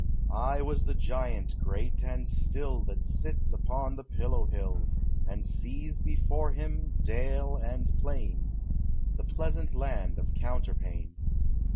I was the giant great and still That sits upon the pillow hill, And sees before him, dale and plain, The pleasaut land of counterpane.